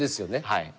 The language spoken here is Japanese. はい。